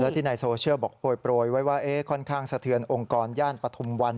ที่ในโซเชียลบอกโปรยไว้ว่าค่อนข้างสะเทือนองค์กรย่านปฐุมวัน